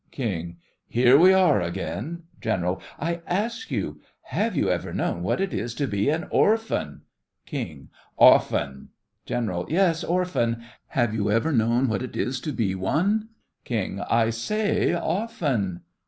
KING: Here we are again! GENERAL: I ask you, have you ever known what it is to be an orphan? KING: Often! GENERAL: Yes, orphan. Have you ever known what it is to be one? KING: I say, often.